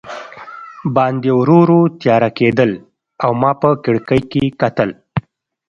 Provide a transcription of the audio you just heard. باندې ورو ورو تیاره کېدل او ما په کړکۍ کې کتل.